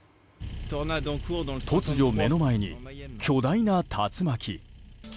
突如、目の前に巨大な竜巻。